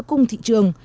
cung thị trường